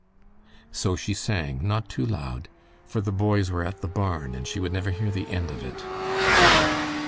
So she sang, not too loud; for the boys were at the barn and she would never hear the end of it.